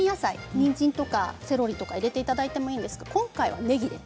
にんじんとかセロリとか入れていただいていいですけれども今回は、ねぎで。